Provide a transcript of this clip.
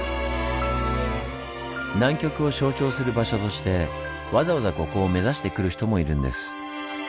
南極を象徴する場所としてわざわざここを目指してくる人もいるんです。